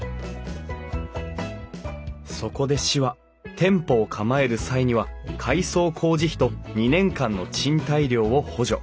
そこで市は店舗を構える際には改装工事費と２年間の賃貸料を補助。